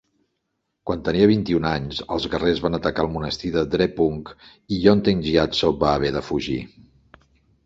Quan tenia vint-i-un anys, els guerrers van atacar el monestir de Drepung i Yonten Gyatso va haver de fugir.